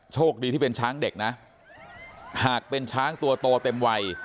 โชคดีที่เป็นช้างเด็กนะหากเป็นช้างตัวโตเต็มวัย